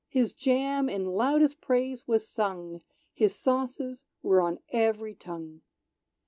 His jam in loudest praise was sung, His sauces were on ev'ry tongue.